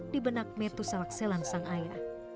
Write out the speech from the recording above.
di benak metu selak selan sangaya